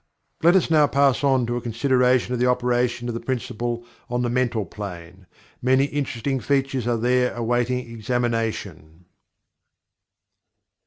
Let us now pass on to a consideration of the operation of the Principle on the Mental Plane. Many interesting features are there awaiting examination.